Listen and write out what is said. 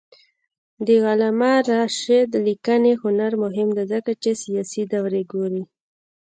د علامه رشاد لیکنی هنر مهم دی ځکه چې سیاسي دورې ګوري.